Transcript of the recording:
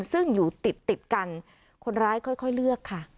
ซึ่งอยู่ติดติดกันคนร้ายค่อยเลือกค่ะ